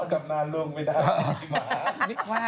นอนกับนานลุงไม่ได้พี่ม้า